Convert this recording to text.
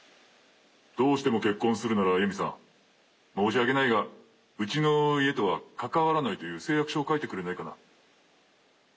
どうしても結婚するなら由美さん申し訳ないがうちの家とは関わらないという誓約書を書いてくれないかな。